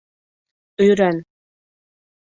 Өйрән!